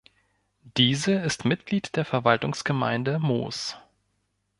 Diese ist Mitglied der Verwaltungsgemeinde Moos.